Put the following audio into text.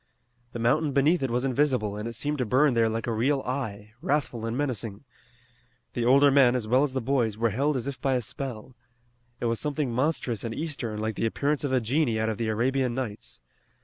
The mountain beneath it was invisible, and it seemed to burn there like a real eye, wrathful and menacing. The older men, as well as the boys, were held as if by a spell. It was something monstrous and eastern, like the appearance of a genie out of the Arabian Nights.